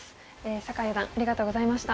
酒井四段ありがとうございました。